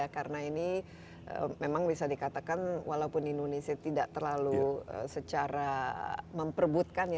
karena ini memang bisa dikatakan walaupun indonesia tidak terlalu secara memperbutkan ya